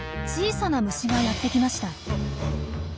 小さな虫がやってきました。